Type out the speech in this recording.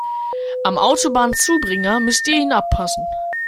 Am Autobahnzubringer müsst ihr ihn abpassen.